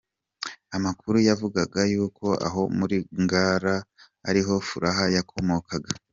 Amakuru yavugaga yuko aho muri Ngara ariho Furaha yakomokaga.